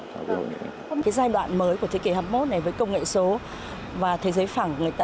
cái giai đoạn mới của thế kỷ hai mươi một này với công nghệ số và thế giới phẳng